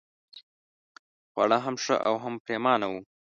خواړه هم ښه او هم پرېمانه وو.